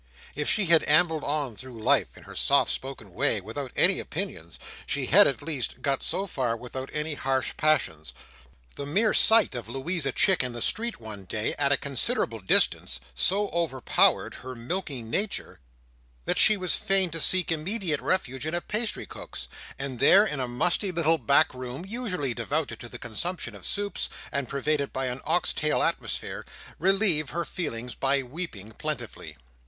If she had ambled on through life, in her soft spoken way, without any opinions, she had, at least, got so far without any harsh passions. The mere sight of Louisa Chick in the street one day, at a considerable distance, so overpowered her milky nature, that she was fain to seek immediate refuge in a pastrycook's, and there, in a musty little back room usually devoted to the consumption of soups, and pervaded by an ox tail atmosphere, relieve her feelings by weeping plentifully.